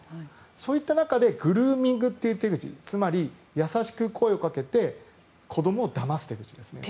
そういった中でグルーミングという手口つまり、やさしく声をかけて子どもをだます手口ですね。